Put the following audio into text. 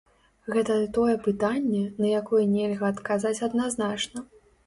Гэта тое пытанне, на якое нельга адказаць адназначна.